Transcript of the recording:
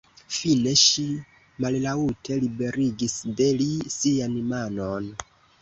Fine ŝi mallaŭte liberigis de li sian manon.